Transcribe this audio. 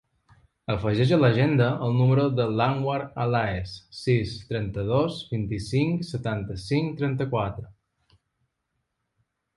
Afegeix a l'agenda el número de l'Anwar Alaez: sis, trenta-dos, vint-i-cinc, setanta-cinc, trenta-quatre.